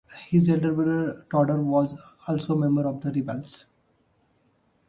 His elder brother Todor was also member of the rebels.